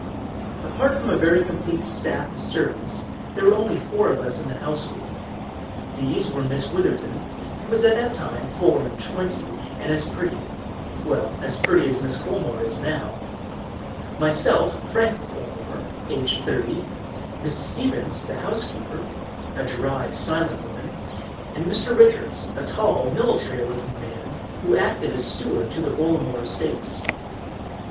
Apart from a very complete staff of servants there were only four of us in the household. These were Miss Witherton, who was at that time four and twenty and as pretty well, as pretty as Mrs. Colmore is now myself, Frank Colmore, aged thirty, Mrs. Stevens, the housekeeper, a dry, silent woman, and Mr. Richards, a tall military looking man, who acted as steward to the Bollamore estates.